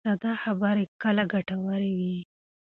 ساده خبرې کله ګټورې وي.